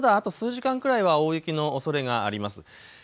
数時間くらいは大雪のおそれがあります。